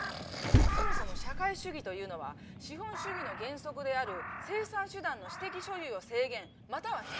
そもそも社会主義というのは資本主義の原則である生産手段の私的所有を制限または。